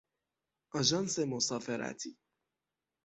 آژانس مسافرتی